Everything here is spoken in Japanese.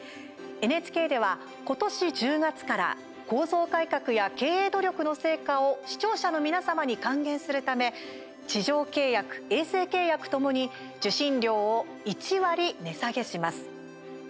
ＮＨＫでは、今年１０月から構造改革や経営努力の成果を視聴者の皆様に還元するため地上契約、衛星契約ともに受信料を１割値下げします。